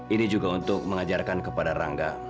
ini juga untuk mengajarkan kepada rangga